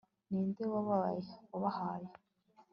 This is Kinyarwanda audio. ninde wabahaye